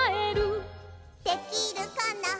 「できるかな」